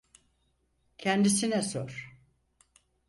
Kendisine sor.